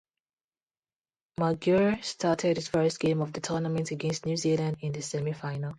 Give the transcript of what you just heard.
McGuire started his first game of the tournament against New Zealand in the semi-final.